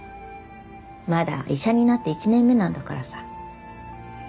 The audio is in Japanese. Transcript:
まだ医者になって１年目なんだからさ。